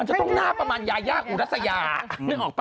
อยากกันเยี่ยม